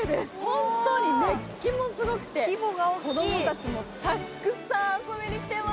本当に熱気もすごくて子供たちもたっくさん遊びに来てます。